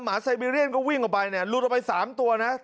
ไซบีเรียนก็วิ่งออกไปเนี่ยหลุดออกไป๓ตัวนะ